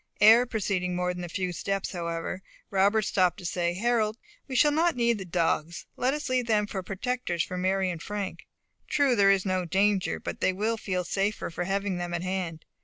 Ere proceeding more than a few steps, however, Robert stopped to say, "Harold, we shall not need the dogs. Let us leave them for protectors to Mary and Frank. True, there is no danger; but they will feel safer for having them at hand.